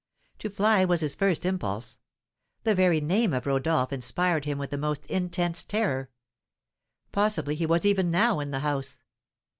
To fly was his first impulse. The very name of Rodolph inspired him with the most intense terror. Possibly he was even now in the house.